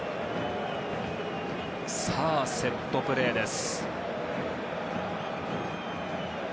セットプレーです。